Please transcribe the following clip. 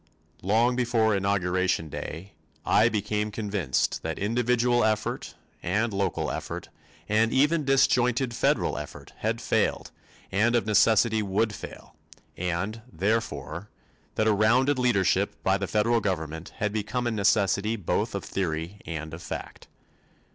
Long before inauguration day I became convinced that individual effort and local effort and even disjointed federal effort had failed and of necessity would fail and, therefore, that a rounded leadership by the federal government had become a necessity both of theory and of fact.